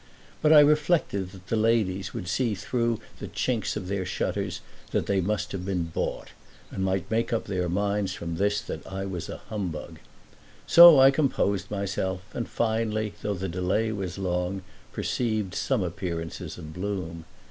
But I reflected that the ladies would see through the chinks of their shutters that they must have been bought and might make up their minds from this that I was a humbug. So I composed myself and finally, though the delay was long, perceived some appearances of bloom.